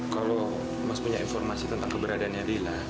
kalau mas punya informasi tentang keberadaannya rila